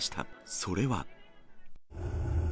それは。